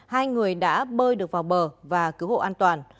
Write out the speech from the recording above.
hai người đã bơi được vào bờ và cứu hộ an toàn